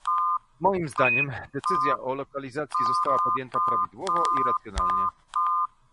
Moim zdaniem decyzja o lokalizacji została podjęta prawidłowo i racjonalnie